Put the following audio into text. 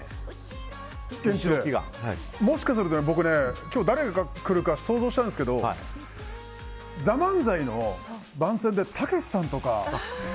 もしかすると僕今日、誰が来るか想像したんですけど「ＴＨＥＭＡＮＺＡＩ」の番宣で、たけしさんとか。